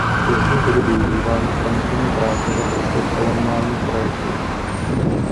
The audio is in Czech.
Vězni byli využíváni pro nucené práce ve prospěch koloniálních projektů.